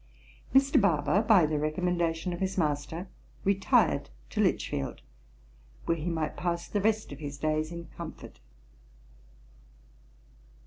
Mr. Barber, by the recommendation of his master, retired to Lichfield, where he might pass the rest of his days in comfort.